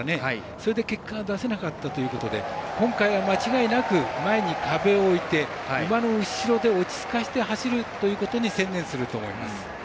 それで結果が出せなかったということで今回は間違いなく前に壁を置いて馬の後ろで落ち着かせて走るということに専念すると思います。